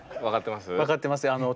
分かってますよ